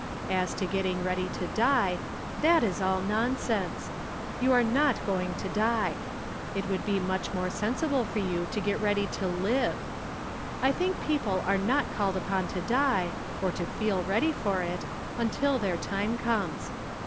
As to getting ready to die, that is all nonsense ! You are not going to die. It would be much more sensible for you to get ready to live. I tliink people are not called upon to die, or to feel ready for it, until their time comes.